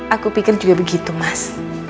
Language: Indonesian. aku pikir juga begitu mas